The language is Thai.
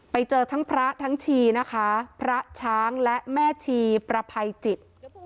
ไปเจอทั้งพระทั้งชีนะคะพระช้างและแม่ชีประภัยจิต